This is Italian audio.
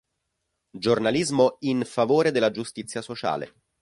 Giornalismo in favore della giustizia sociale